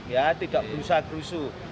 ya tidak berusaha berusaha